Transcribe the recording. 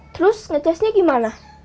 terus ngecasnya gimana